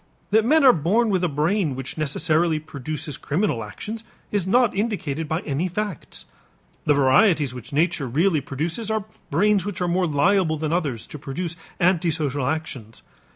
That men are born with a brain which necessarily produces criminal actions is not indicated by any facts. The varieties which nature really produces are brains which are more liable than others to produce antisocial actions.